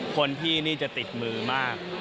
คนพี่นี่จะติดมือมาก